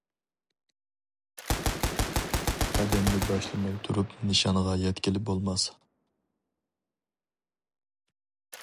قەدەمنى باشلىماي تۇرۇپ نىشانغا يەتكىلى بولماس!